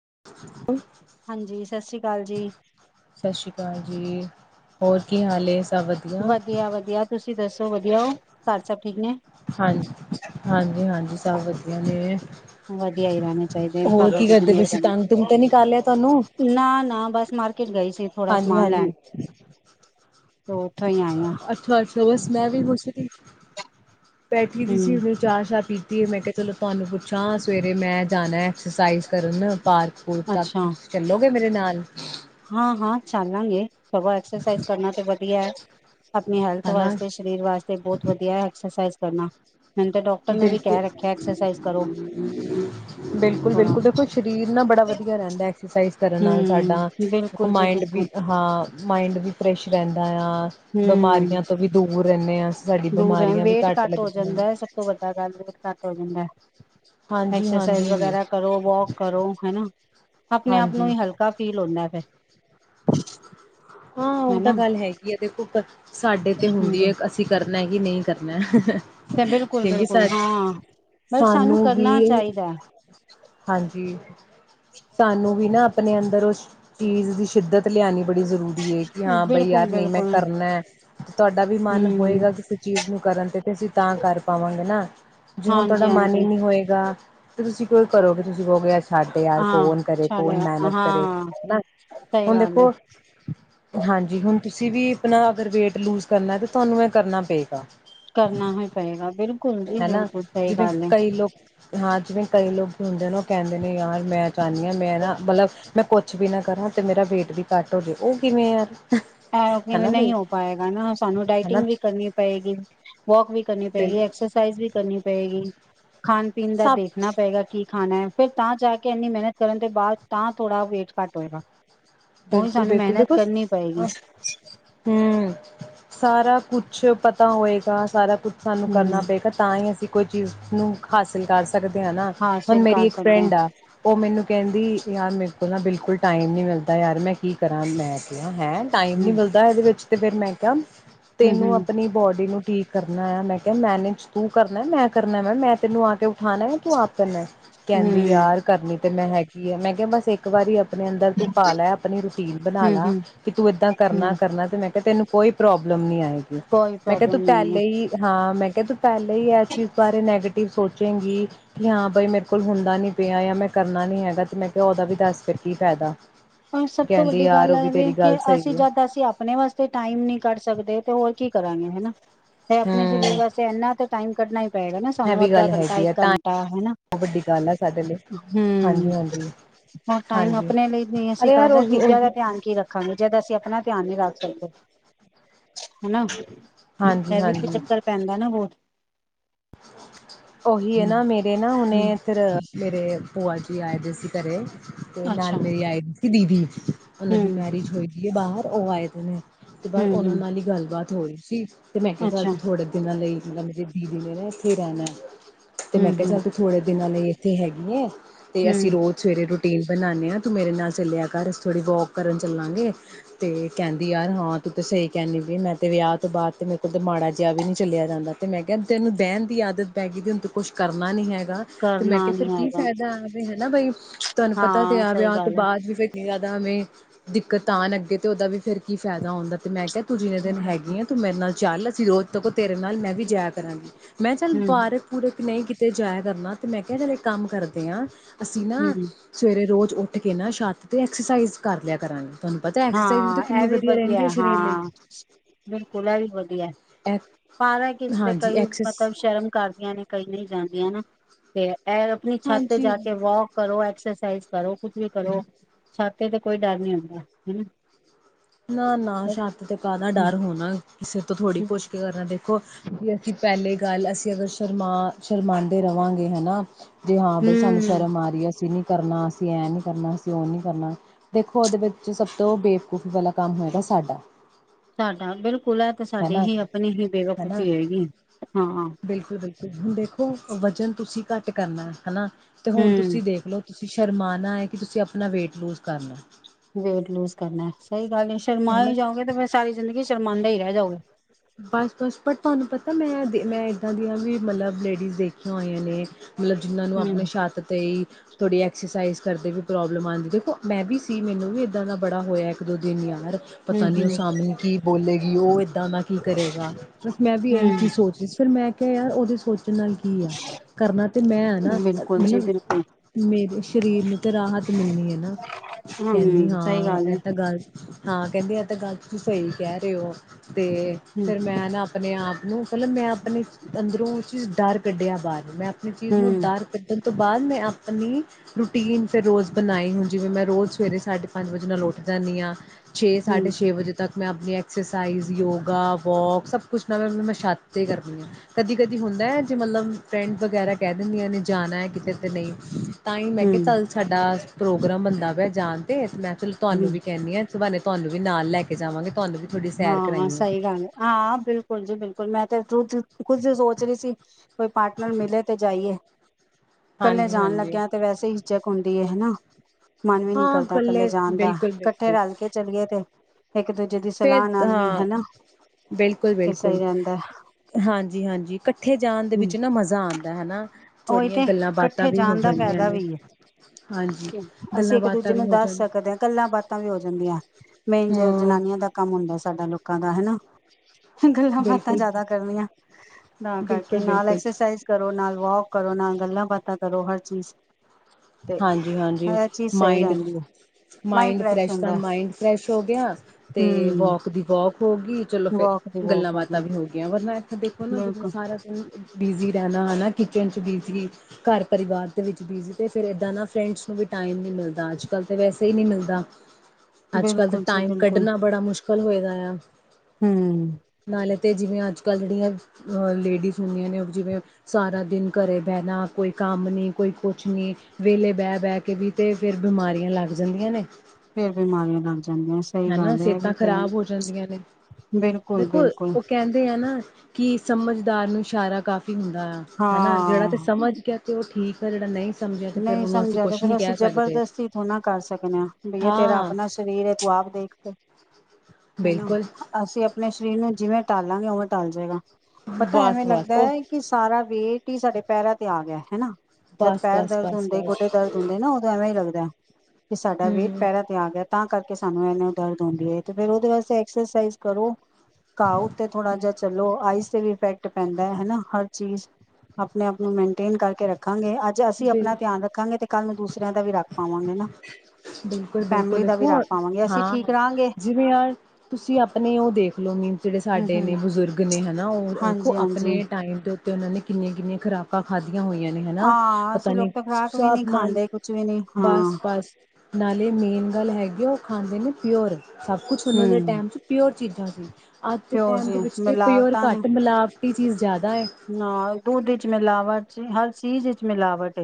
[unintelligible] ਹਾਂਜੀ ਸਤਿ ਸ੍ਰੀ ਅਕਾਲ ਜੀ ਸਤਿ ਸ਼੍ਰੀ ਅਕਾਲ ਜੀ ਹੋਰ ਕੀ ਹਾਲ ਏ। ਵਧੀਆ ਵਧੀਆ ਤੁਸੀਂ ਦੱਸੋ। ਵਧੀਆ ਹੋ, ਘਰ ਸਭ ਠੀਕ ਨੇ। ਹਾਂਜੀ, ਹਾਂਜੀ-ਹਾਂਜੀ, ਸਭ ਵਧੀਆ ਨੇ। ਵਧੀਆ ਹੀ ਰਹਿਣੇ ਚਾਹੀਦੇ ਏ। ਹੋਰ ਬਾਬਾ ਕੀ ਜੀ ਦੀ ਕਰਦੇ ਪਏ ਸੀ? ਤੰਗ ਤੁੰਗ ਤੇ ਨੀ ਕਰ ਲਿਆ ਤੁਹਾਨੂੰ? ਮਿਹਰਬਾਨੀ। ਨਾ-ਨਾ ਬਸ, ਮਾਰਕੀਟ ਗਈ ਸੀ ਥੋੜਾ ਸਮਾਨ ਹਾਂਜੀ-ਹਾਂਜੀ, ਲੈਣ। ਤੇ ਉੱਥੋਂ ਹੀ ਆਏ ਆ ਅੱਛਾ-ਅੱਛਾ। [unintelligible] ਬੈਠੀ ਵੀ ਸੀ। ਹਮ ਹੁਣ ਚਾਹ-ਸਾਹ ਪੀਤੀ ਤੇ ਮੈਂ ਕਿਹਾ ਚਲੋ ਤੁਹਾਨੂੰ ਪੁੱਛਾਂ, ਸਵੇਰੇ ਮੈਂ ਜਾਣਾ ਐ। ਐਕਸਰਸਾਈਜ਼ ਕਰਨ ਨਾ, ਪਾਰਕ-ਪੂਰਕ ਤੱਕ ਚੱਲੋ। ਤੇ ਮੇਰੇ ਨਾਲ ਹਾਂ-ਹਾਂ। ਚਾਲਾਂਗੇ ਸਗੋਂ ਐਕਸਰਸਾਈਜ਼ ਕਰਨਾ ਤਾਂ ਵਧੀਆ ਹੈ। ਆਪਣੀ ਹੈਲਥ ਹਨਾ ਵਾਸਤੇ, ਸਰੀਰ ਵਾਸਤੇ, ਬਹੁਤ ਵਧੀਆ ਹੈ, ਐਕਸਰਸਾਈਜ਼। ਕਰਨਾ ਮੈਨੂੰ ਤਾਂ ਡਾਕਟਰ ਨੇ ਵੀ ਬਿਲਕੁਲ, ਕਹਿ ਰੱਖਿਆ ਐਕਸਰਸਾਈਜ਼ ਕਰੋ ਥੋੜਾ ਬਿਲਕੁਲ-ਬਿਲਕੁਲ। ਦੇਖੋ ਸਰੀਰ ਨਾ ਬੜਾ ਵਧੀਆ ਰਹਿੰਦਾ। ਐਕਸਰਸਾਈਜ਼ ਕਰਨ ਨਾਲ ਸਾਡਾ। ਹਮ ਦੇਖੋ ਬਿਲਕੁਲ ਜੀ ਮਾਇੰਡ ਬਿਲਕੁਲ ਵੀ, ਹਾਂ, ਮਾਇੰਡ ਵੀ ਫਰੈਸ਼ ਕੁਛ ਰਹਿੰਦਾ ਆ। ਹਮ ਬਿਮਾਰੀਆਂ ਤੋਂ ਵੀ ਦੂਰ ਦੂਰ ਰਹਿੰਨੇ ਹਾਂ, ਅਸੀਂ। ਸਾਡੀ ਦੂਰ ਹੈ ਬਮਾਰੀਆਂ ਵੀ ਵੇਟ ਘੱਟ ਹੋ ਲੱਗਦੀਆਂ ਨੇ। ਜਾਂਦਾ ਹੈ ਸਭ ਤੋਂ ਵੱਡਾ, ਗੱਲ ਵੇਟ ਘੱਟ ਹੋ ਜਾਂਦਾ। ਹਾਂਜੀ ਐਕਸਰਸਾਈਜ਼ ਹਾਂਜੀ ਵਗੈਰਾ ਕਰੋ, ਵੋਕ ਕਰੋ, ਹਨਾ। ਆਪਣੇ ਆਪ ਨੂੰ ਹਾਂਜੀ ਹੀ ਹਲਕਾ ਫੀਲ ਹੁੰਦਾ। ਨਾਲੇ ਹਾਂ, ਉਹ ਹਨਾ ਤਾਂ ਗੱਲ ਹੈਗੀ ਆ। ਦੇਖੋ, ਸਾਡੇ ਤੇ ਹੁੰਦੀ ਹਮ ਹੈ। ਅਸੀਂ ਕਰਦੇ ਨਹੀਂ ਜੀ, ਨਹੀਂ ਕਰਨਾ। ਤੇ ਕਿਉਂਕਿ ਬਿਲਕੁਲ-ਬਿਲਕੁਲ। ਸਾ ਹਾਂ, ਪਰ ਸਾਨੂੰ ਕਰਨਾ ਚਾਹੀਦਾ। ਹਾਂਜੀ ਸਾਨੂੰ ਵੀ ਨਾ, ਆਪਣੇ ਅੰਦਰ ਉਸ ਚੀਜ਼ ਦੀ ਸ਼ਿੱਦਤ ਲਿਆਣੀ ਬੜੀ ਜ਼ਰੂਰੀ ਹੈ ਕਿ ਹਾਂ, ਬਈ ਬਿਲਕੁਲ ਯਾਰ, ਨਹੀਂ ਮੈਂ ਬਿਲਕੁਲ ਕਰਨਾ ਏ। ਤੁਹਾਡਾ ਵੀ ਮਨ ਹਮ ਹੋਏਗਾ, ਕਿਸੇ ਚੀਜ਼ ਨੂੰ? ਕਰਨ ਤੇ। ਤੇ ਅਸੀਂ ਤਾਂ ਕਰ ਪਾਵਾਂਗੇ ਨਾ, ਜੇ ਹੁਣ ਹਾਂਜੀ ਤੁਹਾਡਾ ਮਨ ਹਾਂਜੀ ਹੀ ਨਹੀਂ ਹੋਏਗਾ ਤੇ ਤੁਸੀਂ ਕਿਉਂ ਕਰੋਗੇ? ਤੁਸੀਂ [unintelligible] ਛੱਡ ਯਾਰ ਹਾਂ ਕੌਣ ਕਰੇ, ਛੱਡ ਕੌਣ ਮਿਹਨਤ ਕਰੇ, ਹਾਂ ਹਨਾ। ਸਹੀ ਹੁਣ ਗੱਲ ਹੈ ਦੇਖੋ, ਹਾਂਜੀ ਹੁ ਹੁਣ ਤੁਸੀਂ ਵੀ ਆਪਣਾ ਅਗਰ ਵੇਟ ਲੂਜ਼ ਕਰਨਾ ਏ ਤੇ ਤੁਹਾਨੂੰ ਏਹ ਕਰਨਾ ਪਏਗਾ। ਕਰਨਾ ਹੀ ਪਏਗਾ, ਬਿਲਕੁਲ ਜੀ ਹਨਾ ਬਿਲਕੁਲ, ਸਹੀ ਜਿਵੇਂ ਗੱਲ ਏ। ਕਈ ਲੋਕ ਹਾਂ ਜਿਵੇਂ ਕਈ ਲੋਕ ਹੁੰਦੇ ਨੇ, ਔ ਕਹਿੰਦੇ ਨੇ ਯਾਰ ਮੈਂ ਚਾਨੀ ਹਾਂ ਮੈਂ ਨਾ, ਮਲਬ ਮੈਂ ਕੁਛ ਵੀ ਨਾ ਕਰਾਂ ਤੇ ਮੇਰਾ ਵੇਟ ਵੀ ਘੱਟ ਹੋਜੇ, ਔ ਕਿਵੇਂ ਯਾਰ? ਐ ਕਿਵੇਂ? ਹਨਾ ਨਹੀਂ ਬਈ ਹੋ ਪਾਏਗਾ ਨਾ, ਸਾਨੂੰ ਹਨਾ ਡਾਇਟਿੰਗ ਵੀ ਕਰਨੀ ਪਏਗੀ। ਵੋਕ ਵੀ ਕਰਨੀ ਬਿਲ ਪਏਗੀ, ਐਕਸਰਸਾਈਜ਼ ਵੀ ਕਰਨੀ ਪਏਗੀ। ਖਾਣ ਪੀਣ ਦਾ ਸਭ ਦੇਖਣਾ ਪਏਗਾ, ਕੀ ਖਾਣਾ ਏ? ਫਿਰ ਤਾਂ ਜਾ ਕੇ ਇੰਨੀ ਮਿਹਨਤ ਕਰਨ ਤੇ ਬਾਦ ਤਾਂ ਥੋੜ੍ਹਾ ਵੇਟ ਘੱਟ ਹੋਏਗਾ। ਓਹੀ ਸਾਨੂੰ ਮਿਹਨਤ ਕਰਨੀ ਪਏਗੀ। ਹਮ। ਸਾਰਾ ਕੁਛ ਪਤ ਤਾ ਹੋਏਗਾ, ਸਾਰਾ ਕੁੱਛ ਸਾਨੂੰ ਹਮ ਕਰਨਾ ਪਏਗਾ, ਤਾਂ ਹੀ ਅਸੀਂ ਕੋਈ ਚੀਜ਼ ਨੂੰ ਹਾਸਿਲ ਕਰ ਸ ਸਕਦੇ ਹਾਂ ਨਾ, ਹੁਣ ਹਾਸਿਲ ਮੇਰੀ ਕਰ ਇੱਕ ਸਕਦੇ ਹਾਂ ਫਰੈਂਡ ਆ, ਔ ਮੈਨੂੰ ਕਹਿੰਦੀ ਯਾਰ ਮੇਰੇ ਕੋਲ ਨਾ ਬਿਲਕੁਲ ਟਾਈਮ ਨੀ ਮਿਲ ਮੈਂ ਯਾਰ ਮੈਂ ਕੀ ਕਰਾਂ? ਮੈਂ ਕਿਹਾ ਹੈਂ, ਟਾਈਮ ਨੀ ਹਮ ਮਿਲਦਾ ਇਹਦੇ ਵਿੱਚ ਤੇ ਫਿਰ ਮੈਂ ਕਿਹਾ ਹਮ ਤੇਨੂੰ ਹਮ ਆਪਣੀ ਬੋਡੀ ਨੂੰ ਕੀ ਕਰਨਾ ਏ? ਮੈਂ ਕਿਹਾ ਮੈਨੇਜ ਤੂੰ ਕਰਨਾ ਏ, ਮੈਂ ਕਰਨਾ ਏ? ਮੈ ਮੈਂ ਤੈਨੂੰ ਆ ਕੇ ਉਠਾਣਾ ਹੈ, ਤੂੰ ਆਪ ਕਰਨਾ ਏ? ਕਹਿੰਦੀ ਹਮ ਯਾਰ ਕਰਨੀ ਤੇ ਮੈਂ ਹੈਗੀ ਏ, ਮੈਂ ਕਿਹਾ ਬਸ ਇੱਕ ਵਾਰੀ ਆਪਣੇ ਅੰਦਰ ਤੂੰ ਪਾ ਲੈ ਆਪਣੀ ਰੂਟੀਨ ਬਣਾ ਹਮ ਲਾ, ਹਮ ਕਿ ਤੂੰ ਏਦਾਂ ਹਮ ਕਰਨਾ-ਕਰਨਾ ਤੇ ਮੈਂ ਕਿਹਾ, ਤੈਨੂੰ ਕੋਈ ਪ੍ਰੋਬਲਮ ਨਹੀਂ ਆਈ? ਕੋਈ ਮੈਂ ਕਿਹਾ ਪ੍ਰੋਬਲਮ ਤੂੰ ਨੀ ਹੋਏਗੀ ਪੇਹਿਲੇ ਹੀ ਹਾਂ, ਮੈਂ [unintelligible] ਪਹਿਲੇ ਹੀ ਇਹ ਚੀਜ਼ ਬਾਰੇ ਨੈਗੀ ਸੋਚੇਗੀ ਕਿ ਹਾਂ ਬਾਈ ਮੇਰੇ ਕੋਲ ਹੁੰਦਾ ਨੀ ਪਿਆ ਜਾਂ ਮੈਂ ਕਰਨਾ ਨੀ ਹੈਗਾ। ਤੇ ਮੈਂ ਕਿਹਾ ਉਹਦਾ ਵੀ ਦੱਸ ਸਕੀ ਫਾਇਦਾ। ਪਰ ਸਭ ਤੋਂ ਕਹਿੰਦੀ ਵੱਡੀ ਯਾਰ ਗੱਲ ਉਹ ਵੀ ਇਹ ਵੇ ਤੇਰੀ ਕਿ ਗੱਲ ਅਸੀਂ ਸਹੀ ਹੈ ਜਦ ਅਸੀਂ ਆਪਣੇ ਵਾਸਤੇ ਟਾਈਮ ਨਹੀਂ ਕੱਢ ਸਕਦੇ ਤੇ ਹੋਰ ਕੀ ਕਰਾਂਗੇ ਹੈ ਨਾ। ਤੇ ਆਪਣੇ ਸਰੀਰ ਹਮ ਵਾਸਤੇ ਇਨਾ ਤੇ ਟਾਈਮ ਕੱਢਣਾ ਹੀ ਪਏਗਾ ਨਾ ਇਹ ਸਾਨੂੰ ਵੀ ਅੱਧਾ ਗੱਲ ਘੰਟਾ, ਹੈਗੀ ਇੱਕ ਆ ਤਾਂ ਘੰਟਾ, ਹਨਾ? ਬਹੁਤ ਵੱਡੀ ਗੱਲ ਹੈ ਸਾਡੇ ਲਈ ਹਾਂਜੀ ਹਮ ਹਾਂਜੀ ਹ ਟਾਈਮ ਹਾਂਜੀ ਆਪਣੇ ਲਈ ਨੀ! ਅਰੇ ਯਾਰ ਕਾਦਾ ਉਹੀ ਦੂਜਿਆਂ ਉਹੀ ਦਾ ਧਿਆਨ ਕੀ ਰੱਖਾਂਗੇ? ਜਦ ਅਸੀਂ ਆਪਣਾ! ਧਿਆਨ ਹੀ ਨਹੀਂ ਰੱਖ ਸਕਦੇ। ਹਨਾ? ਹਾਂਜੀ ਏ ਵੀ ਇੱਕ ਹਾਂਜੀ ਚੱਕਰ ਪੈਂਦਾ ਨਾ ਬਹੁਤ? ਉਹੀ ਹੈ ਨਾ ਮੇਰੇ ਨਾ ਉਹਨੇ ਫੇਰ। ਮੇਰੇ ਭੂਆ ਜੀ ਆਏ ਵੇ ਸੀ ਘਰੇ ਤੇ ਅੱਛਾ ਨਾਲ ਮੇਰੀ ਆਈ ਸੀ! ਦੀਦੀ ਉਹਨਾਂ ਹੂੰ ਦੀ ਮੈਰਿਜ ਹੋਈ। ਏ ਬਾਹਰ ਉਹ ਆਏ ਹੋਏ ਨੇ। ਤੇ ਹੂੰ ਬਾਦ ਹੂੰ ਉਹਨਾਂ ਨਾਲ ਹੀ ਗੱਲਬਾਤ ਹੋੋਈ ਸੀ। ਤੇ ਮੈਂ ਕਿਹਾ ਅੱਛਾ ਚੱਲ ਥੋੜੇ ਦਿਨਾਂ ਲਈ। ਹੁਣ ਮੇਰੀ ਦੀਦੀ ਨੇ ਨਾ ਇੱਥੇ ਹੀ ਰਹਿਣਾ। ਤੇ ਹੂੰ ਮੈਂ ਹੂੰ ਕਿਹਾ ਚੱਲ ਥੋੜੇ! ਦਿਨਾਂ ਦੀ ਇੱਥੇ ਹੈਗੀ ਹੈ, ਤੇ ਅਸੀਂ ਹੂੰ ਰੋਜ਼ ਸਵੇਰੇ ਰੋ ਪਟੀਲ ਬਣਾਉਂਦੇ ਆਂ ਤੂੰ ਮੇਰੇ ਨਾਲ ਚੱਲਿਆ ਕਰ। ਅਸੀਂ ਥੋੜ੍ਹੀ ਵੋਕ ਕਰਨ ਚੱਲਾਂਗੇ। ਤੇ ਕਹਿੰਦੀ ਯਾਰ ਹਾਂ! ਤੂੰ ਤਾਂ ਸਹੀ ਕਹਿੰਦੀ ਵੀ ਮੈਂ ਤੇ ਵਿਆਹ ਤੋਂ ਬਾਅਦ ਤੇ ਮੇਰੇ ਕੋਲ ਤਾਂ ਮਾੜਾ ਜਿਹਾ ਵੀ ਨਹੀਂ ਚੱਲਿਆ ਜਾਂਦਾ। ਤੇ ਮੈਂ ਕਿਹਾ ਤੈਨੂੰ ਬਹਿਣ ਦੀ ਆਦਤ। ਪੈ ਗਈ। ਤੇ ਕੁਛ ਕਰਨਾ ਨੀ ਹੈਗਾ। ਤੇ ਮੈਂ ਕਰਨਾ ਕਿਹਾ ਫਿਰ ਨੀ ਕੀ ਹੈਗਾ ਫਾਇਦਾ ਆ ਹਨਾ ਬਈ ਤੁਹਾਨੂੰ ਪਤਾ ਤੇ ਹਾਂ ਆਹ ਸਹੀ ਤੋਂ ਗੱਲ ਹੈ ਬਾਅਦ ਵੀ। ਜ਼ਿਆਦਾਵੇਂ ਦਿੱਕਤ ਆਉਣ ਅੱਗੇ ਤੇ ਉਹਦਾ ਵੀ ਫੇਰ ਕੀ ਫਾਇਦਾ ਹੁੰਦਾ ਤੇ ਮੈਂ ਕਿਹਾ! ਤੂੰ ਜਿੰਨੇ ਦਿਨ ਹੂੰ ਹੈਗੀ ਏ ਤੂੰ ਮੇਰੇ ਨਾਲ ਰਿਹ ਚੱਲ, ਅਸੀਂ ਰੋਜ਼ [unintelligible] ਤੇਰੇ ਨਾਲ ਮੈਂ ਵੀ ਜਾਇਆ ਕਰਾਂਗੀ। ਪਾਰਕ ਪੂਰਕ ਤੇ ਜਾਇਆ ਕਰਨਾ, ਤੇ ਮੈਂ ਕਿਹਾ ਚ ਕੰਮ ਕਰਦੇ ਆ ਅਸੀਂ ਨਾ ਹੂੰ ਸਵੇਰੇ ਰੋਜ਼। ਉੱਠ ਕੇ ਨਾ ਛੱਤ ਤੇ ਐਕਸਰਸਾਈਜ਼ ਕਰ ਲਿਆ ਕਰਾਂਗੇ! ਤੁਹਾਨੂੰ ਪਤਾ ਐਕਸਰਸਾਈਜ਼ ਤਾਂ ਹਾਂ, ਕਿੰਨੀ ਐਹ ਵੀ ਵਧੀਆ ਰਹਿੰਦੀ ਹੈ ਸਰੀਰ ਲਈ ਹਾਂ। ਬਿਲਕੁਲ ਐਹ ਵੀ ਵਧੀਆ। ਐ ਪਾਰਾ ਕਿਸਦੇ ਹਾਂਜੀ ਕਈ ਐਕਸਸ ਮਤਲਬ ਸ਼ਰਮ। ਕਰਦੀਆਂ ਨੇ ਕਈ ਨਹੀਂ ਜਾਂਦੀਆਂ ਨਾ ਤੇ ਕ ਐਹ ਆਪਣੀ ਛੱਤ ਤੇ ਜਾ ਹਾਂਜੀ ਕੇ ਵੋਕ ਕਰੋ ਐਕਸਰਸਾਈਜ਼ ਕਰੋ ਕੁਛ ਵੀ ਕਰੋ ਛੱਤ ਤੇ ਕੋਈ ਡਰ ਨੀ ਹੁੰਦਾ ਹੁ ਨਾ ਨਾ ਛੱਤ ਤੇ ਕਾਹਦਾ ਡਰ ਹੋਣਾ ਕਿਸੇ ਤੋਂ ਥੋੜ੍ਹੀ ਪੁੱਛ ਕੇ ਕਰਨਾ ਦੇ ਦੇਖੋ ਜ ਅਸੀਂ ਪਹਿਲੇ ਗੱਲ ਅਸੀਂ ਅਗਰ ਸ਼ਰਮਾ ਸ਼ਰਮਾਂਦੇ ਰਹਵਾਂਗੇ ਹਨਾ ਜੇ ਹਾਂ ਬਈ ਸਾਨੂੰ ਹੂੰ ਸ਼ਰਮ ਆ ਰਹੀ ਹੈ ਅਸੀਂ ਨੀ ਕਰਨਾ ਅਸੀਂ ਐਂ ਨੀ ਕਰਨਾ ਅਸੀਂ ਉਹ ਨੀ ਕਰਨਾ ਦੇਖੋ ਉਹਦੇ ਵਿੱਚ ਸਭ ਤੋਂ ਬੇਵਕੂਫੀ ਵਾਲਾ ਕੰਮ ਹੋਏਗਾ ਸਾਡਾ ਸਾਡਾ ਬਿਲ ਸਕੂਲਾ ਤਾਂ ਸਾਡੇ ਹੀ ਹਨਾ-ਹਨਾ ਆਪ ਬਿਲਕੁਲ-ਬਿਲਕੁਲ ਹੁਣ ਦੇਖੋ ਵਜ਼ਨ ਤੁਸੀਂ ਘੱਟ ਕਰਨਾ ਹਨਾ ਤੇ ਹੁਣ ਤੁਸੀਂ ਹੂੰ ਦੇਖਲੋ ਤੁਸੀਂ ਸ਼ਰਮਾਨਾ ਹੈ ਕਿ ਤੁਸੀਂ ਆਪਣਾ ਵੇਟ ਲੂਜ ਕਰਨਾ ਵੇਟ ਲੂਜ ਕਰਨਾ ਐ ਸਹੀ ਗੱਲ ਸ਼ਰਮਾ ਹੀ ਹਨਾ ਜਾਓਗੇ ਤੇ ਫੇਿਰ ਸਾਰੀ ਜ਼ਿੰਦਗੀ ਸ਼ਰਮਾਂਦੇ ਹੀ ਰਹਿ ਜਾਓ ਬਸ ਬਸ ਬਟ ਤੁਹਾਨੂੰ ਪਤਾ ਮੈਂ ਮੈਂ ਇੱਦਾਂ ਦੀਆਂ ਵੀ ਮਤਲਬ ਲੇਡੀਜ਼ ਦੇਖੀਆਂ ਹੋਈਆਂ ਨੇ ਮਤਲਬ ਜਿਹਨਾਂ ਨੂੰ ਆਪ ਹੂੰ ਐਕਸਰਸਾਈਜ਼ ਕਰਦੇ ਵੀ ਪ੍ਰੋਬਲਮ ਆਉਂਦੀ ਦੇਖੋ ਮੈਂ ਵੀ ਸੀ ਮੈਨੂੰ ਵੀ ਇੱਦਾਂ ਦਾ ਬੜਾ ਹੋਇਆ ਇੱਕ ਦੋ ਦਿਨ ਯਾਰ ਹੂੰ ਪਤਾ ਨੀ ਉਹ ਹੂੰ ਸਾਹਮਣੇ ਕਿ ਬੋਲੇਗੀ ਉਹ ਏਦਾਂ ਕੀ ਕਰੇਗਾ ਬਸ ਮੈਂ ਵੀ ਇਹੀ ਚੀਜ਼ ਹੂੰ ਸੋਚ ਰਹੀ ਫਿਰ ਮੈਂ ਕਿਹਾ ਯਾਰ ਉਹਦੇ ਸੋਚਣ ਨਾਲ ਕੀ ਆ ਕਰਨਾ ਤੇ ਮੈਂ ਹੈ ਨਾ ਬਿਲਕੁਲ ਜੀ ਮਤਲਬ ਬਿਲਕੁਲ ਮੇਰੇ ਸਰੀਰ ਨੂੰ ਤੇ ਰਾਹਤ ਮਿਲਣੀ ਹੈ ਨਾ ਕਹਿੰਦੀ ਹੂੰ ਸਹੀ ਹਾਂ ਐਹ ਹੈ। ਤਾਂ ਗੱਲ ਹਾਂ ਕਹਿੰਦੇ ਆ ਹੂੰ ਫਿਰ ਮੈਂ ਨਾ ਆਪਣੇ ਆਪ ਨੂੰ ਮਤਲਬ ਮੈਂ ਆਪਣੇ ਅੰਦਰੋਂ ਆਪਣੀ ਚੀਜ਼ ਨੂੰ ਹੂੰ ਡਾਰਕ [unintelligible] ਤੋਂ ਬਾਅਦ ਮੈਂ ਆਪਣੀ ਰੂਟੀਨ ਫਿਰ ਰੋਜ਼ ਬਣਾਈ ਹ ਜਿਵੇਂ ਮੈਂ ਰੋਜ਼ ਸਵੇਰੇ ਸਾਢੇ ਪੰਜ ਵਜੇ ਨਾਲ ਉੱਠ ਜਾਂਦੀ ਹਾਂ [unintelligible] ਛੇ ਹੂੰ ਸਾਢੇ ਛੇ ਵਜੇ ਤੱਕ ਮੈਂ ਆਪਣੀ ਐਕਸਰਸਾਈਜ਼ ਯੋਗਾ ਵੋਕ ਸਭ ਕੁਛ ਨਾ ਮੈਂ ਮਤਲਬ ਮਛਾਤੇ ਕਰਦੀ ਹਾਂ ਕਦੀ ਕਦੀ ਹੁੰਦਾ ਹੈ ਜੇ ਮਤਲਬ ਫਰੈਂਡ ਵਗੈਰਾ ਕਹਿ ਦਿੰਦੀਆਂ ਨੇ ਜਾਣਾ ਹੈ ਕਿਤੇ ਤੇ ਨਹੀਂ ਤਾਂ ਹੀ ਮੈਂ ਕਿਹਾ ਹੂੰ ਚੱਲ ਸਾਡਾ ਪ੍ਰੋਗਰਾਮ ਹੁੰਦਾ ਵਆ ਜਾਣ ਤੇ ਇਸ ਮ ਮਤਲਬ ਤੁਹਾਨੂੰ ਹੂੰ ਵੀ ਕਹਿੰਦੀ ਹਾਂ ਸ ਬੇ ਤੁਹਾਨੂੰ ਵੀ ਨਾਲ ਲੈ ਕੇ ਜਾਵਾਂਗੇ ਤੁਹਾਨੂੰ ਵੀ ਥੋਡੀ ਸੈਰ ਹਾਂ ਕਰਾਈ ਆ ਸਹੀ ਗੱਲ ਹੈ ਹਾਂ ਬਿਲਕੁਲ ਜੀ ਬਿਲਕੁਲ ਮੈਂ ਤੇ ਤ ਕੁਝ ਸੋਚ ਨਹੀਂਹੀ ਸੀ ਕੋਈ ਪਾਰਟਨਰ ਮਿਲੇ ਤੇ ਜਾਈਏ ਕੱਲੇ ਹਾਂਜੀ ਜਾਣ ਹਾਂਜੀ ਲੱਗਿਆ ਤੇ ਵੈਸੇ ਹਿਚਕ ਹੁੰਦ ਤੇ ਹੈਨਾ। ਮਨ ਵੀ ਨਹੀ ਹਾਂ ਕਰਦਾ ਇਕੱਲੇ ਗੱਲੇ ਜਾਣ ਦਾ ਬਿਲਕੁਲ ਇਕੱਠੇ ਬਿਲਕੁਲ ਰਲ ਕੇ ਚਲੀਏ ਤੇ ਇੱਕ ਦੂਜੇ ਦੀ ਫੇਰ ਸਲਾਹ ਨਾਲ ਵੀ ਹਾਂ ਹਨਾ ਬਿਲਕੁਲ ਤੇ ਸਹੀ ਬਿਲਕੁਲ ਰਹਿੰਦਾ ਹਾਂਜੀ ਹਾਂਜੀ ਇਕੱਠੇ ਜਾਣ ਦੇ ਵਿੱਚ ਹੂੰ ਨਾ ਮਜ਼ਾ ਆਉਂਦਾ ਹਨਾ ਉਹੀ ਥੋੜੀਆਂ ਤੇ ਗੱਲਾਂ ਬਾਤਾਂ ਇਕੱਠੇ ਵੀ ਹੋ ਜਾਣ ਦਾ ਜਾਂਦੀਆਂ ਫਾਇਦਾ ਨੇ ਵੀ ਹਾਂਜੀ ਹੈ ਅਸੀਂ ਗੱਲਾਂ ਇੱਕ ਬਾਤਾਂ ਦੂਜੇ ਨੂੰ ਵੀ ਹੋ ਦੱਸ ਜਾਂਣ ਸਕਦੇ ਹਾਂ ਗੱਲਾਂ ਬਾਤਾਂ ਵੀ ਹੋ ਜਾਂਦੀਆਂ ਮੇਨ ਜੋ ਜਨਾਨੀਆਂ ਦਾ ਕੰਮ ਹੁੰਦਾ ਸਾਡਾ ਲੋਕਾਂ ਦਾ ਹਨਾ। ਗੱਲਾਂ ਬਾਤਾਂ ਬਿਲਕੁਲ ਜ਼ਿਆਦਾ ਕਰਨੀਆਂ ਤਾਂ ਕਰਕੇ ਬਿਲਕੁਲ ਨਾਲ ਬਿਲਕੁਲ ਐਕਸਰਸਾਈਜ਼ ਕਰੋ ਨਾਲ ਵੋਕ ਕਰੋ ਨਾ ਗੱਲਾਂ ਬਾਤਾਂ ਕਰੋ ਹਰ ਚੀਜ਼ ਤੇ ਹਾਂਜੀ ਹਾਂਜੀ ਇਹ ਚੀਜ਼ ਸਹੀ ਮਾਇੰਡ ਰਹਿੰਦੀ ਹੈ ਮਾਇੰਡ ਫਰੈਸ਼ ਦਾ ਮਾਇੰਡ ਫਰੈਸ਼ ਹੋ ਗਿਆ। ਤੇ ਹੂੰ ਵੋਕ ਦੀ ਵੋਕ ਹੋ ਗਈ ਚਲੋ ਫੇਰ ਵੋਕ ਦੀ ਵੋਕ ਗੱਲਾਂ ਬਾਤਾਂ ਗਈ ਵੀ ਹੋ ਗਿਆਂ ਵਰਨਾ ਦੇਖੋ ਨਾ ਜਦੋਂ ਬਿਲਕੁਲ ਸਾਰਾ ਦਿਨ ਬਿਜੀ ਰਹਿਣਾ ਹਨਾ ਕਿਚਨ ਚ ਬਿਜੀ ਘਰ ਪਰਿਵਾਰ ਦੇ ਵਿੱਚ ਬਿਜ਼ੀ ਤੇ ਫਿਰ ਇੱਦਾਂ ਨਾ ਫਰੈਂਡਸ ਨੂੰ ਵੀ ਟਾਈਮ ਨਹੀਂ ਮਿਲਦਾ ਅੱਜ ਕੱਲ੍ਹ ਤਾਂ ਵੈਸੇ ਹੀ ਨਹੀਂ ਮਿਲਦਾ। ਅੱਜ ਕੱਲ ਤਾਂ ਬਿਲਕੁਲ ਜੀ ਟਾਈਮ ਕੱਢਣਾ ਬੜਾ ਮੁਸ਼ਕ ਕੱਲੇ ਦਾ ਆ। ਹਮ ਨਾਲੇ ਤੇ ਜਿਵੇਂ ਅੱਜ ਕੱਲ੍ਹ ਦੀਆਂ ਅ ਲੇਡੀਜ਼ ਹੁੰਦੀਆਂ ਨੇ ਉਹ ਜਿਵੇਂ ਸਾਰਾ ਦਿਨ ਘਰੇ ਬਹਿਣਾ ਕੋਈ ਕੰਮ ਨਹੀਂ ਕੋਈ ਕੁਛ ਨਹੀਂ ਤੇ ਵੇਲੇ ਬਹਿ ਬਹਿ ਕੇ ਵੀ ਤੇ ਫੇਰ ਬਿਮਾਰੀਆਂ ਲੱਗ ਜਾਂਦੀਆਂ ਨੇ। ਫੇਰ ਬਿਮਾਰੀਆਂ ਲਗ ਜਾ ਹਨਾ ਸਿਹਤਾਂ ਖਰਾਬ ਹੋ ਜਾਂਦੀਆਂ ਨੇ, ਬਿਲਕੁਲ ਦੇਖੋ ਬਿਲਕੁਲ ਉਹ ਕਹਿੰਦੇ ਆ ਨਾ ਕੀ ਸਮਝਦਾਰ ਨੂੰ ਇਸ਼ਾਰਾ ਕਾਫ਼ ਹੁੰਦਾ ਅ ਹਨਾ ਜਿਹੜਾ ਹਾਂ ਤੇ ਸਮਝ ਗਿਆ ਤੇ ਉਹ ਠੀਕ ਨਹੀ ਨਹੀਂ ਸਮਝਿਆ ਤੇ ਫੇਰ ਅਸੀਂ ਜਬਰਦਸਤੀ ਥੋੜਾ ਨਾ ਕਰ ਸਕਣੇ ਹਾਂ ਬਈ ਐ ਤੇਰਾ ਹਾਂ ਆਪਣਾ ਸਰੀਰ ਹੈ। ਸੁਆਬ ਦੇਖ ਕੇ। [inaudible] ਹਨਾ ਬਿਲਕੁਲ ਅਸੀਂ ਆਪਣੇ ਸਰੀਰ ਨੂੰ ਜਿਵੇਂ ਢਾਲਾਂਗੇ ਉਵੇਂ ਢਲ ਜੇਗਾ। ਪਤਾ ਐਵੇਂ ਬਸ ਬਸ ਲੱਗਦਾ ਉਹ ਹੈ ਕਿ ਸਾਰਾ ਵੇਟ ਟੀ ਸਾਡੇ ਪੈਰਾਂ ਤੇ ਆ ਗਿਆ ਹਨਾ। ਜਦ ਬਸ ਦਰਦ ਬਸ ਬਸ ਬਸ ਹੁੰਦੇ ਗੋਡੇ ਦਰਦ ਹੁੰਦੇ ਨਾ ਉਹਦ ਐਵੇਂ ਹੀ ਲੱਗਦਾ ਹ ਕਿ ਸਾਡਾ ਵੇਟ ਹਮ ਪਹਿਰਾ ਤਿਆਗ ਗਿਆ ਤਾਂ ਕਰਕੇ ਸਾਨੂੰ ਇਨੇ ਦਰਦ ਹੁੰਂਦੀ ਹੈ ਤੇ ਫੇਰ ਉਹਦੇ ਕੇ ਕੇ ਸਾਨੰ ੲੰਣ ਦਰਰ ਹੰਦਾ ਏ ਵਾਸਤੇ ਐਕਸਰਸਾਈਜ਼ ਕਰੋ ਘਾਹ ਉੱਤੇ ਥੋੜਾ ਜਿਹਾ ਚਲੋ ਆਈਸ ਤੇ ਵੀ ਇਫੈਕਟ ਪੈਂਦਾ ਹੈ ਹਨਾ ਹਰ ਚੀਜ਼ ਆਪਣੇ ਆਪ ਨੂੰ ਮੇਨਟੇਨ ਕਰਕੇ ਰੱਖਾਂਗੇ ਅਸੀਂ ਬਿਲ ਆਪਣਾ ਧਿਆਨ ਰੱਖਾਂਗੇ ਤੇ ਕੱਲ ਨੂੰ ਦੂਸਰਿਆਂ ਦਾ ਵੀ ਰੱਖ ਪਾਵਾਂਗੇ ਨਾ ਬਿਲਕੁਲ-ਬਿਲਕੁਲ ਫੈਮਲੀ ਦਾ ਵੀ ਦੇਖੋ ਰੱਖ ਪਾਵਾਂਗੇ ਅਸੀਂ ਹਾਂ ਠੀਕ ਰਹਾਂਗੇ ਜਿਵੇਂ ਯਾਰ ਤੁਸੀਂ ਆਪਣੇ ਉਹ ਦੇਖ ਲਓ ਮੀਨ ਜਿਹੜੇ ਹੂੰ ਸਾਡੇ ਨੇ ਹੂੰ ਬਜ਼ੁਰਗ ਨੇ ਹਨ ਨਾ ਉਹ ਰਖੋ ਹਾਂਜੀ ਹਾਂਜੀ ਆਪਣੇ ਟਾਈਮ ਤੋਂ ਤੇ ਉਹਨਾਂ ਨੇ ਕਿਨੀਆਂ-ਕਿੰਨੀਆਂ ਖੁਰਾਕਾਂ ਖਾਧਆਂ ਹੋਈਆਂ ਨੇ ਹਨਾ ਹਾਂ ਪਤਾ ਅਸੀਂ ਨੀ ਲੋਕ ਤਾਂ ਖੁਰਾਕ ਵੀ ਹਿਸਾਬ ਨਹੀਂ ਨਾਲ ਖਾਂਦੇ ਕੁਛ ਵੀ ਨਹੀਂ ਹਾਂ ਬਸ-ਬਸ ਨਾਲੇ ਮੇਨ ਗੱਲ ਹੈਗੀ ਖਾਂਦੇ ਨੇ ਪਿਓਰ ਸਭ ਕੁਛ ਉਹਨਾਂ ਦੇ ਹੂੰ ਟਾਈਮ ' ਪਿਓਰ ਚੀਜ਼ਾਂ ਸੀ ਅੱਜ ਦੇ ਪਿਓਰ ਟਾਈਮ ਸੀ ਦੇ ਵਿੱਚ ਤੇ ਪਿਓਰ ਮਿਲਾਵਟਾਂ ਨੇ ਘੱਟ ਮਿਲਾਪ ਇਹ ਚੀਜ਼ ਜ਼ਿਆਦਾ ਹੈ ਹਾਂ ਦੁੱਧ ਚ ਮੈਂਲਾਵਾਾਂ ਹਰ ਚੀਜ਼ ਵਿਚ ਮਿਲਾਵਟ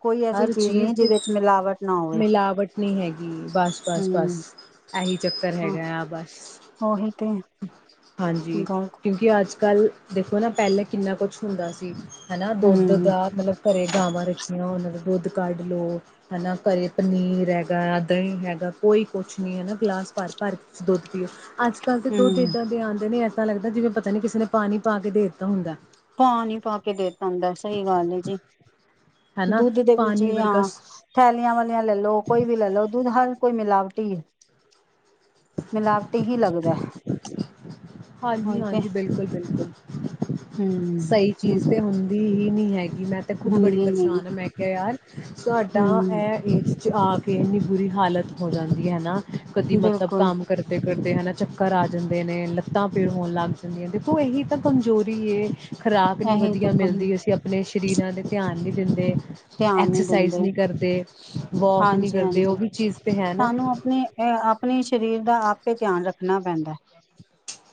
ਕੋਈ ਐਸੀ ਹਰ ਚੀਜ਼ ਨਹੀਂ ਤੇ ਜਿਹਦੇ ਚ ਮਿਲਾਵਟ ਨਾ ਹੋਵੇ ਮਿਲਾਵਟ ਨਹੀਂੀ ਹੈਗੀ ਬਸ ਬਸ ਬਸ ਹੂੰ ਇਹੀ ਚੱਕਰ ਹੈਗਾ ਆ ਬਸ ਉਹੀ ਤੇ ਹਾਂਜੀ ਗੱਲ ਕਿਉਂਕਿ ਅੱਜ ਕੱਲ੍ਹ ਦੇਖੋ ਨਾ ਪਹਿਲਾਂ ਕਿੰਨਾ ਕੁਛ ਹੁੰਦਾ ਸੀ ਹਨਾ ਦੁੱਧ ਹੂੰ ਦਾ ਮਤਲਬ ਘਰੇ ਗਾਵਾਂ ਰੱਖੀਆਂ ਉਹਨਾਂ ਨੂੰ ਦੁੱਧ ਕੱਢ ਲੋ ਹਨਾ ਘਰੇ ਪਨੀਰ ਹੈਗਾ ਦਹੀਂ ਹੈਗਾ ਕੋਈ ਕੁਛ ਨੀ ਹੈਾ ਗਿਲਾਸ ਭਰ ਭਰ ਦੁੱਧ ਅੱਜ ਕੱਲ੍ਹ ਤੇ ਦੋ ਹੂੰ ਇੱਾਂ ਦੇ ਆਉਂਦੇ ਨੇ ਪਤਾ ਲੱਗਦਾ ਜਿਵੇਂ ਪਤਾ ਨੀ ਕਿਸੇ ਨੇ ਪਾਣੀ ਪਾ ਕੇ ਦੇ ਦਿੱਤਾ ਹੁੰਦਾ ਐ। ਪਾਣੀ ਪਾ ਕੇ ਦੇ ਪੰਦਾ ਸਹੀ ਗੱਲ ਜੀ ਹਨਾ ਦੁੱਧ ਦੇ ਵਿੱਚ ਪਾਣੀ ਵੀ ਵਰਗਾ ਹਾਂ ਥੈਲੀਆਂ ਵਾਲੀਆਂ ਲੈ ਲੋ ਕੋਈ ਵੀ ਲੈ ਲਓ ਦੁੱਧ ਹਰ ਕੋਈ ਮਿਲਾਵਟੀ ਹੀ ਹੈ। ਮਿਲਾਵਟੀ ਹੀ ਲੱਗਦਾ ਐ। ਹਾਂਜੀ-ਹਾਂਜੀ ਬਿਲਕੁਲ-ਬਿਲਕੁਲ ਹਮ ਸਹੀ ਚੀਜ਼ ਤੇ ਹੁੰ ਹੁੰਦੀ ਹੀ ਨਹੀਂ ਹੈਗੀ। ਮੈਂ ਤੇ ਖੁਦ ਬੜੀ ਹੁੰਦੀ ਨਹੀਂ ਪਰੇਸ਼ਾਨ ਹਾਂ। ਮੈਂ ਕਿਹਾ ਯਾਰ ਸਾਡਾ ਹਮ ਏਹ ਇਸ ਵਿੱਚ ਆ ਕੇ ਇੰਨੀ ਬੁਰੀ ਹਾਲਤ ਹੋ ਜਾਂਦੀ ਹੈ ਨਾ। ਕਦੀ ਮਤਲਬ ਬਿਲਕੁਲ ਕੰਮ ਕਰਦੇ ਕਰਦੇ ਹਨਾ ਚੱਕਰ ਆ ਜਾਂਦੇ ਨੇ, ਲੱਤਾਂ ਪੀੜ ਹੋਣ ਲੱਗ ਜਾਂਦੀਆਂ, ਦੇਖੋ ਇਹੀ ਤਾਂ ਕਮਜ਼ੋਰੀ ਐ। ਖਰਾਕ ਨੀ ਇਹੀ ਤੇ ਵਧੀਆ ਮਿਲਦੀ। ਅਸੀਂ ਅਪਣੇ ਸਰੀਰਾਂ ਦੇ ਧਿਆਨ ਨੀ ਦਿੰਦੇ। ਧਿਆਨ ਨਹੀਂ ਐਕਸਰਸਾਈਜ਼ ਦਿੰਦੇ ਨੀ ਕਰਦੇ, ਵੋਕ ਨੀ ਹਾਂਜੀ ਕਰਦੇ, ਉਹ ਹਾਂਜੀ ਵੀ ਚੀਜ਼ ਤੇ ਹੈ ਨਾ। ਸਾਨੂੰ ਆਪਣੇ ਅਹ ਆਪਣੇ ਸਰੀਰ ਦਾ ਆਪੇ ਧਿਆਨ ਰੱਖਣਾ ਪੈਂਦਾ ਹੈ।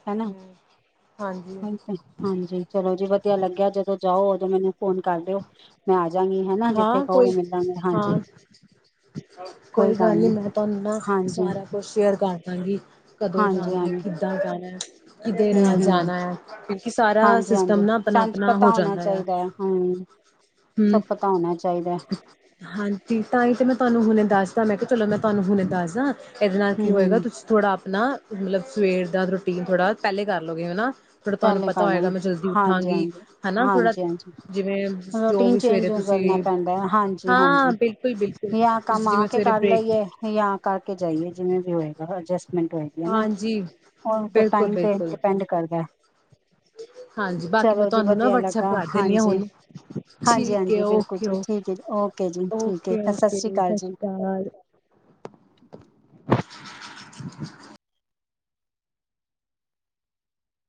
ਹੈ ਨਾ ਹਾਂਜੀ [unintelligible] ਹਾਂਜੀ ਚਲੋ ਜੀ ਵਧਿਆ ਵਧੀਆ ਲੱਗਿਆ, ਜਦੋਂ ਜਾਓ ਉਦੋਂ ਮੈਨੂੰ ਫੋਨ ਕਰ ਲਓ, ਮੈਂ ਆ ਜਾਗੀ ਹਨਾ ਜਿੱਥੇ ਹਾਂ, ਕੋਈ ਕਹੋਗੇ ਮਿਲਾਂਗੇ ਹਾਂਜੀ ਹਾਂ ਕੋਈ ਗੱਲ ਨੀ, ਮੈਂ ਤੁਹਾਨੂੰ ਨਾ ਹਾਂਜੀ ਸਾਰਾ ਕੁਛ ਸ਼ੇਅਰ ਕਰ ਦਾਂਗੀ, ਕਦੋਂ ਹਾਂਜੀ ਜਾਣਾ ਏ ਹਾਂਜੀ ਕਿੱਦਾਂ ਜਾਣਾ ਏ। ਕਿਧੇ ਹੂੰ ਨਾਲ ਹੂੰ ਜਾਣਾ ਏ ਕਿਉਂਕਿ ਸਾਰਾ ਹਾਂਜੀ ਹਾਂਜੀ ਸਿਸਟਮ ਨਾ ਸਾਨੂੰ ਆਪਣਾ-ਆਪਣਾ ਹੋ ਪਤਾ ਹੋਣਾ ਜਾਂਦਾ ਆ। ਚਾਹੀਦਾ ਹੈ ਹੂੰ ਹੂੰ ਸਭ ਪਤਾ ਹੋਣਾ ਚਾਹੀਦਾ ਹੈ। ਹਾਂਜੀ, ਤਾਂ ਹੀ ਤੇ ਮੈਂ ਤੁਹਾਨੂੰ ਹੁਣੇ ਦੱਸ ਤਾਂ ਮੈਂ ਕਿਹਾ ਚਲੋ ਮੈਂ ਤੁਹਾਨੂੰ ਹੁਣ ਦੱਸਦਾ। ਇਹਦੇ ਨਾਲ ਹੂੰ ਕੀ ਹੋਏਗਾ। ਹੂੰ ਤੁਸੀਂ ਥੋੜਾ ਹਨਾ ਮਤਲਬ ਸਵੇਰ ਦਾ ਰੂਟੀਨ ਥੋੜ੍ਹਾ ਪਹਿਲੇ ਕਰ ਲਓਗੇ ਹਨਾ। ਥੋੜਾ ਤੁਹਾਨੂੰ ਪਹਿਲੇ ਪਤਾ ਕਰ ਹੋਏਗਾ, ਲਾਂਗੇ ਮੈਂ ਜਲਦੀ ਹਾਂਜੀ ਉੱਠਾਂਗੀ ਹਾਂਜੀ ਹਨਾ, ਥੋੜਾ ਹਾਂਜੀ ਹਾਂਜੀ ਜਿਵੇਂ ਜੋ ਰੂਟੀਨ ਵੀ ਸਵੇਰੇ ਚੇਂਜ ਕਰਨਾ ਤੁਸੀਂ ਪੈਂਦਾ ਏ, ਹਾਂ ਹਾਂਜੀ-ਹਾਂਜੀ ਬਿਲਕੁਲ ਬਿਲਕੁਲ ਯਾ ਕੰਮ ਤੁਸੀਂ ਆ ਜਿਵੇਂ ਕੇ ਸਵੇਰੇ ਕਰ ਬ੍ਰੇਕ ਲਈਏ ਯਾ ਕਰਕੇ ਜਾਈਏ, ਜਿਵੇਂ ਵੀ ਹੋਏ। ਹਾਂ-ਹਾਂ ਜਿਸ ਮਿੰਟ ਹੋਏਗੇ ਨਾ, ਹਾਂਜੀ, ਉਹ ਤੇ ਟਾਈਮ ਤੇ ਬਿਲਕੁਲ-ਬਿਲਕੁਲ ਡਿਪੈਂਡ ਕਰਦਾ ਏ। ਹਾਂਜੀ, ਬਾਕੀ ਮੈਂ ਤੁਹਾਨੂੰ ਨਾ ਵਧੀਆ ਵਟਸਐਪ ਲੱਗਾ ਕਰ ਦੇਣੀ ਹਾਂ ਹਾਂਜੀ ਹੁਣ, ਹਾਂਜੀ ਠੀਕ ਹੈ ਹਾਂਜੀ ਬਿਲਕੁਲ ਜੀ ਓਕੇ-ਓਕੇ, ਠੀਕ ਹੈ ਜੀ ਓਕੇ ਜੀ ਠੀਕ ਹੈ ਓਕੇ-ਓਕੇ ਜੀ, ਅਕਾਲ ਸਤਿ ਸ਼੍ਰੀ ਅਕਾਲ।